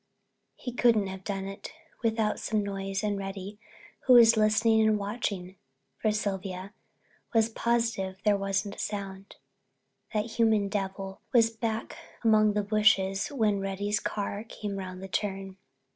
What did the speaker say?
"He couldn't have done it without some noise and Reddy, who was listening and watching for Sylvia, was positive there wasn't a sound. That human devil was back among the bushes when Reddy's car came round the turn.